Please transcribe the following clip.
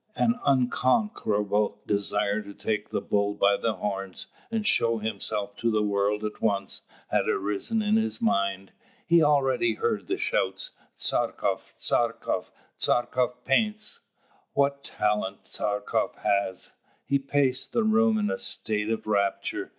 An unconquerable desire to take the bull by the horns, and show himself to the world at once, had arisen in his mind. He already heard the shouts, "Tchartkoff! Tchartkoff! Tchartkoff paints! What talent Tchartkoff has!" He paced the room in a state of rapture.